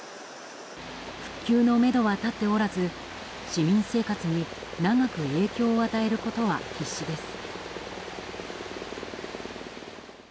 復旧のめどは立っておらず市民生活に長く影響を与えることは必至です。